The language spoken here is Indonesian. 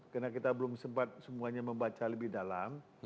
karena kita belum sempat semuanya membaca lebih dalam